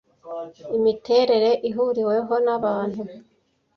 imiterere ihuriweho na abantu